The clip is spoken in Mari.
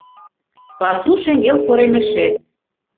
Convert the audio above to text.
Пасу шеҥгел коремешет